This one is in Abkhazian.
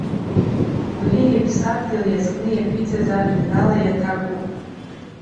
Гәлиа иԥсадгьыл иазкны иаԥиҵаз ажәеинраала иаҭакуп.